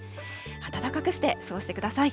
暖かくして過ごしてください。